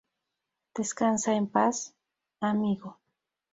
Descansa en paz, amigo.